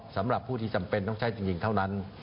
สำหรับผู้ที่จำเป็นต้องใช้จริงเท่านั้น